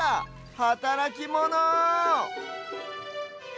はたらきモノ！